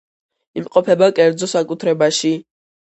იმყოფება კერძო საკუთრებაში.